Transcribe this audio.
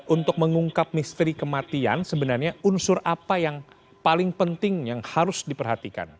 untuk mengungkap misteri kematian sebenarnya unsur apa yang paling penting yang harus diperhatikan